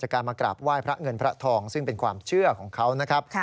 การมากราบไหว้พระเงินพระทองซึ่งเป็นความเชื่อของเขานะครับ